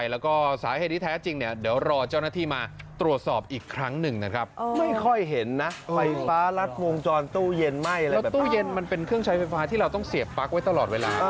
แล้วตู้เย็นมันเป็นเครื่องใช้ไฟฟ้าที่เราต้องเสียบปั๊กไว้ตลอดเวลา